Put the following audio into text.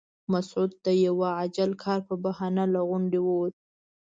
مسعود د یوه عاجل کار په بهانه له غونډې ووت.